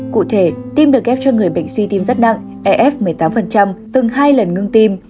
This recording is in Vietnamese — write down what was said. cụ thể tim được ghép cho người bệnh suy tim rất nặng từng hai lần ngưng tim